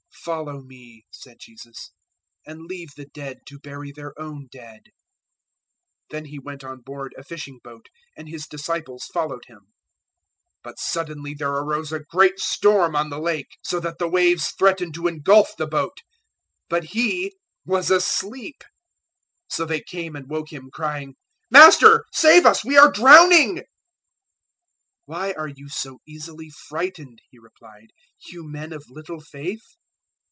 008:022 "Follow me," said Jesus, "and leave the dead to bury their own dead." 008:023 Then He went on board a fishing boat, and His disciples followed Him. 008:024 But suddenly there arose a great storm on the Lake, so that the waves threatened to engulf the boat; but He was asleep. 008:025 So they came and woke Him, crying, "Master, save us, we are drowning!" 008:026 "Why are you so easily frightened," He replied, "you men of little faith?"